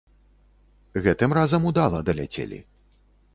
Гэтым разам удала даляцелі.